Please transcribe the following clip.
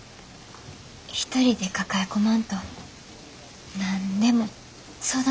一人で抱え込まんと何でも相談してな。